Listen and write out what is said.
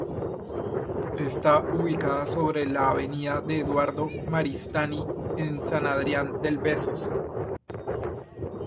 Está ubicada sobre la avenida de Eduardo Maristany, en San Adrián del Besós.